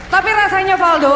tapi rasanya faldo